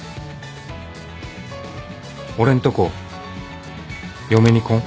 俺んとこ嫁に来ん？